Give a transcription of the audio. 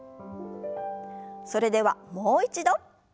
それではもう一度。